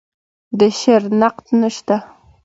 د شعر نقد نشته